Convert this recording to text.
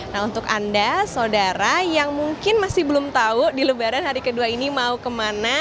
nah untuk anda saudara yang mungkin masih belum tahu di lebaran hari kedua ini mau kemana